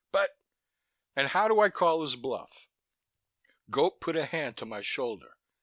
But " "And how do I call his bluff?" Gope put a hand on my shoulder.